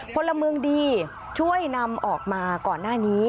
พลเมืองดีช่วยนำออกมาก่อนหน้านี้